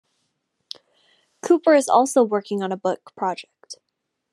Cooper is also working on a book project.